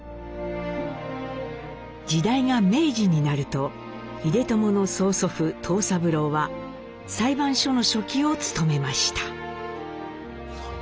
時代が明治になると英知の曽祖父藤三郎は裁判所の書記を務めました。